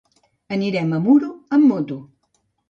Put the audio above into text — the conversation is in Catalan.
Anirem a Muro amb moto.